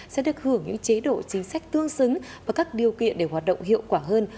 sẽ được hưởng những chế độ chính sách tương xứng và các điều kiện để hoạt động hiệu quả hơn